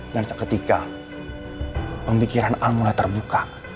dan ketika pemikiran al mulai terbuka